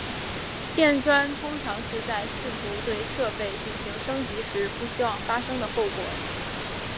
变砖通常是在试图对设备进行升级时不希望发生的后果。